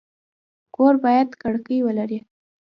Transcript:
کور باید کړکۍ ولري